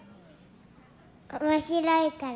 面白いからです。